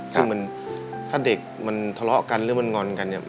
ซึ่งถ้าเด็กมันทะเลาะกันหรือมันงอนกันเนี่ย